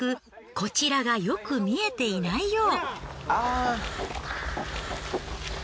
こちらがよく見えていないよう。